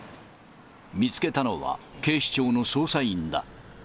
見つけたのは警視庁の捜査員だ。